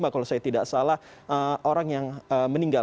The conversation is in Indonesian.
kalau saya tidak salah orang yang meninggal